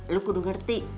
lu kudu ngerti